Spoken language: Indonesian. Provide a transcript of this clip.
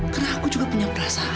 karena aku juga punya perasaan bu